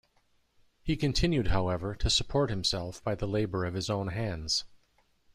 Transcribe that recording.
He continued, however, to support himself by the labour of his own hands.